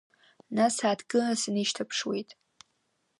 Нас сааҭгыланы сынишьҭаԥшуеит.